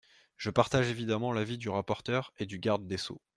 Je partage évidemment l’avis du rapporteur et du garde des sceaux.